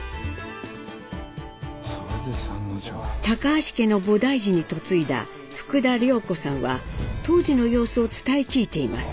橋家の菩提寺に嫁いだ福田良子さんは当時の様子を伝え聞いています。